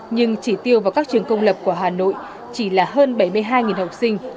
nhưng chỉ tiêu vào các trường công lập của hà nội chỉ là hơn bảy mươi hai học sinh